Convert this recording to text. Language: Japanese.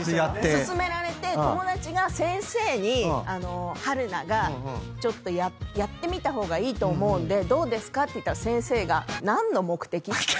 勧められて友達が先生に「春菜がやってみた方がいいと思うんでどうですか？」って言ったら先生が。